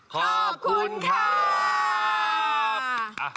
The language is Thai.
ขอบคุณค่ะ